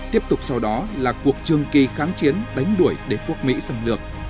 tiếp tục sau đó là cuộc trường kỳ kháng chiến đánh đuổi đế quốc mỹ xâm lược